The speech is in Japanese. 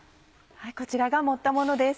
こちらが盛ったものです。